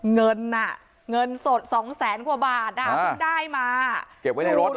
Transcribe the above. เงินน่ะเงินสดสองแสนกว่าบาทอ่ะเพิ่งได้มาเก็บไว้ในรถเหรอ